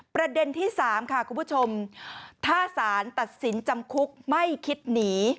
ประเด็นที่๓ค่ะคุณผู้ชมถ้าสารตัดสินจำคุกไม่คิดหนี